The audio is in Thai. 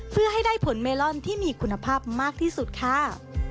เพื่อให้ได้ผลเมลอนที่มีคุณภาพมากที่สุดค่ะ